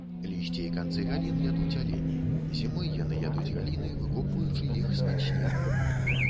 Лісце і канцы галін ядуць алені, зімой яны ядуць галіны выкопваючы іх з-пад снегу.